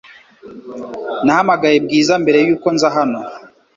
Nahamagaye Bwiza mbere yuko nza hano .